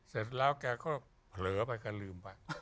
เสร็จแล้วแกก็เผลอไปแกลืมไป